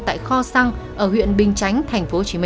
tại kho xăng ở huyện bình chánh tp hcm